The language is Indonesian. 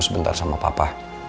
sebentar sama papa